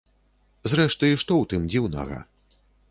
Зрэшты, што ў тым дзіўнага?